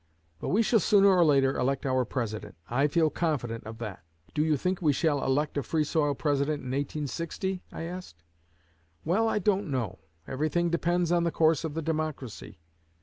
But we shall sooner or later elect our President. I feel confident of that.' 'Do you think we shall elect a Free soil President in 1860?' I asked. 'Well, I don't know. Everything depends on the course of the Democracy.